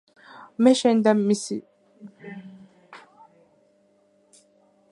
მე შენ და ჩემი მანქანა არ ვიცოდი მაგრამ